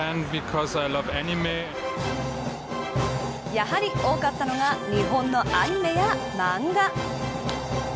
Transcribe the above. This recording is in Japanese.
やはり多かったのが日本のアニメや漫画。